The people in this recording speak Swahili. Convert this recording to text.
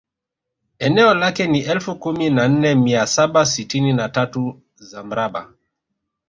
Eneo lake ni elfu kumi na nne mia saba sitini na tatu za mraba